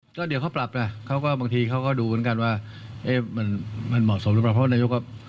คิดว่าละโดดร่มสมัยโน้นก็เจ็บกระดูกคอหน่อยแต่หน่อย